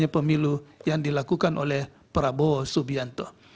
pemilu yang dilakukan oleh prabowo subianto